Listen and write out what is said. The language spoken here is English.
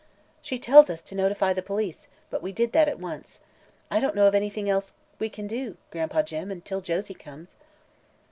"She tells us to notify the police, but we did that at once. I don't know of anything else we can do, Gran'pa, until Josie comes."